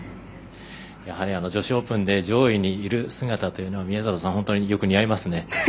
やはり女子オープンで上位にいる姿というのは宮里さん、よく似合いますね。